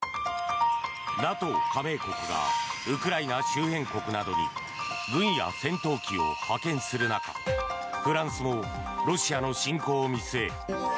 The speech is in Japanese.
ＮＡＴＯ加盟国がウクライナ周辺国などに軍や戦闘機を派遣する中フランスもロシアの侵攻を見据え